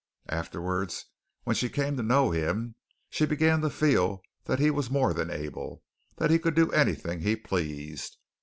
Afterwards, when she came to know him, she began to feel that he was more than able; that he could do anything he pleased.